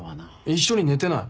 一緒に寝てない。